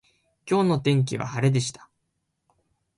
今日の天気は晴れでした。